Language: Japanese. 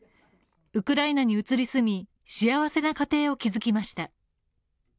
ウクライナに移り住み、幸せな家庭を築きました。